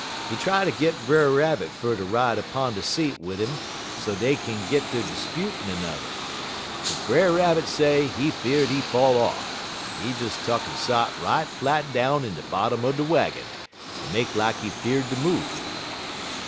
He try ter git Brer Rabbit fer ter ride upon de seat wid 'im so dey kin git ter 'sputin' 'n'er, but Brer Rabbit say he fear'd he fall off, en he des tuck'n sot right flat down in de bottom er de waggin, en make lak he fear'd ter move.